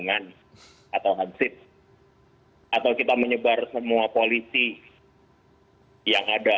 atau kita menyebar semua polisi yang ada